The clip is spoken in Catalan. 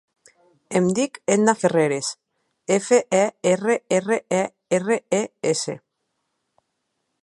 Em dic Edna Ferreres: efa, e, erra, erra, e, erra, e, essa.